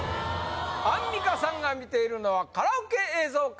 アンミカさんが見ているのはカラオケ映像か？